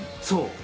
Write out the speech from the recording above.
そう！